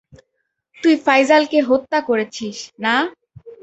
তুই ফাইজালকে হত্যা করেছিস, না?